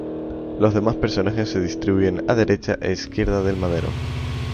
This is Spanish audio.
Los demás personajes se distribuyen a derecha e izquierda del madero.